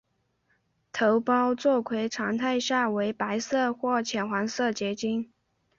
头孢唑肟常态下为白色或淡黄色结晶。